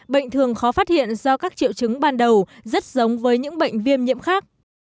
bệnh thường khó phát hiện do các triệu chứng ban đầu rất giống với những bệnh viêm nhiễm khác